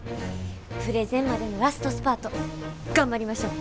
プレゼンまでのラストスパート頑張りましょう！